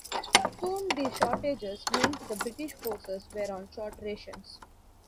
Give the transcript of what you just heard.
Soon the shortages meant the British forces were on short rations.